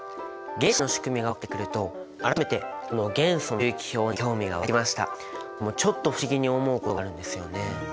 原子の仕組みが分かってくるとでもちょっと不思議に思うことがあるんですよね。